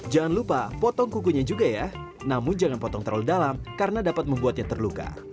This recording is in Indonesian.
jangan lupa potong kukunya juga ya namun jangan potong terlalu dalam karena dapat membuatnya terluka